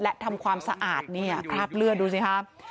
การความสะอาดนี้คราบเลือดดูซิค่ะ